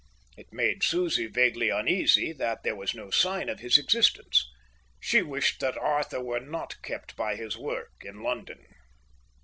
It made Susie vaguely uneasy that there was no sign of his existence. She wished that Arthur were not kept by his work in London.